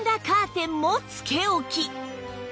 カーテンもつけ置き